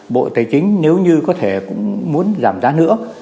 bộ tài chính nếu như có thể cũng muốn giảm giá nữa